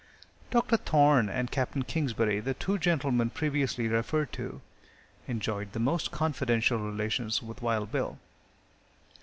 Dr. Thorne and Capt. Kingsbury, the two gentlemen previously referred to, enjoyed the most confidential relations with Wild Bill.